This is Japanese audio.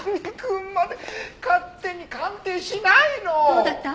どうだった？